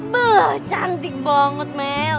beuh cantik banget mel